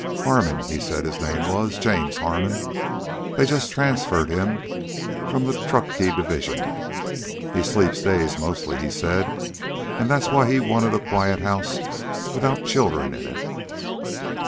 Harmon, he said his name was, James Harmon. They've just transferred him from the Truckee division. He'll sleep days mostly, he said; and that's why he wanted a quiet house without children in it."